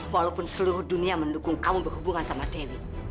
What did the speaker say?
walaupun seluruh dunia mendukung kamu berhubungan sama dewi